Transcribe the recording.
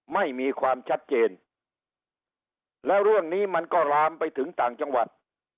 ไม่มีความชัดเจนแล้วเรื่องนี้มันก็ลามไปถึงต่างจังหวัด